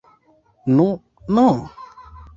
Nu, nu?